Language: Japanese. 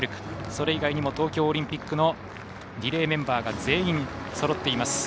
それ以外にも東京オリンピックのリレーメンバーが全員そろっています。